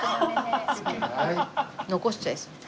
残しちゃいそうで。